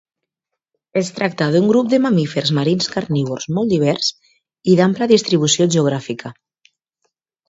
Es tracta d'un grup de mamífers marins carnívors molt divers i d'àmplia distribució geogràfica.